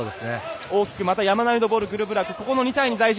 大きくまた山なりのボール、グルブラク。